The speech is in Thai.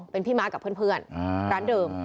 เป็นพี่ม้ากับเพื่อนร้านเดิม